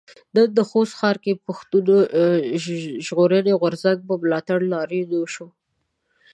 نن د خوست ښار کې د پښتون ژغورنې غورځنګ په ملاتړ لاريون وشو.